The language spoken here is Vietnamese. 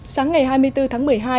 sáng ngày hai mươi bốn tháng một mươi một